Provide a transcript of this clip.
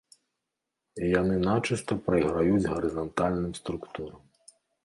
Яны начыста прайграюць гарызантальным структурам.